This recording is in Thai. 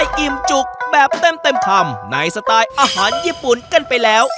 อิ่มจุกแบบเต็มคำในสไตล์อาหารญี่ปุ่นกันไปแล้ว